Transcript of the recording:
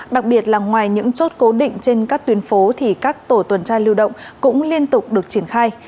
đặc biệt là ngoài những chốt cố định trên các tuyến phố thì các tổ tuần tra lưu động cũng liên tục được triển khai